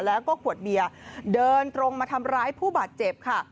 แล้วก็ขวดเบียร์เดินตรงมาทำร้ายผู้บาดเจ็บค่ะ